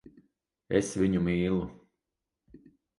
Es viņu mīlu.